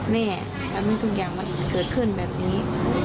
ทำให้ทุกอย่างมันเกิดขึ้นแบบนี้